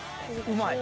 うまい。